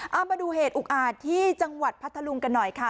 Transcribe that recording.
เอามาดูเหตุอุกอาจที่จังหวัดพัทธลุงกันหน่อยค่ะ